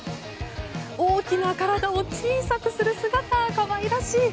大きな体を小さくする姿可愛らしい。